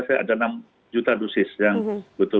saya ada enam juta dosis yang betul